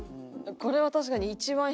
これは確かに。